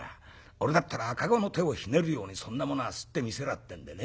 俺だったら赤子の手をひねるようにそんなものはすってみせらぁ』ってんでね